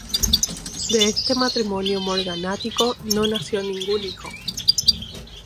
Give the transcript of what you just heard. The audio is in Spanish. De este matrimonio morganático no nació ningún hijo.